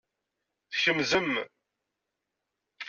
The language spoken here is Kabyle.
Tkemzem.